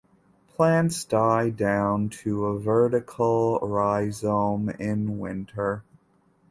Plants die down to a vertical rhizome in winter.